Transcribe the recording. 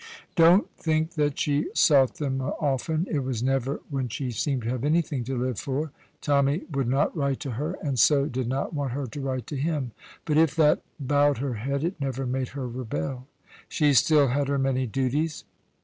Don't think that she sought them often. It was never when she seemed to have anything to live for. Tommy would not write to her, and so did not want her to write to him; but if that bowed her head, it never made her rebel. She still had her many duties.